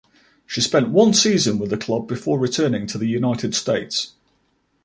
She spent one season with the club before returning to the United States.